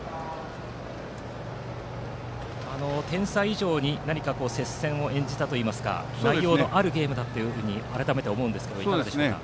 点差以上に、何か接戦を演じたといいますか内容のあるゲームだったと思うんですがいかがですか。